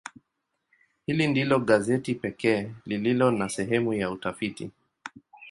Hili ndilo gazeti pekee lililo na sehemu ya utafiti.